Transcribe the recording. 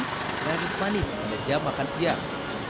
terakhir sepanjang jam makan siang